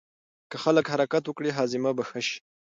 که خلک حرکت وکړي هاضمه به ښه شي.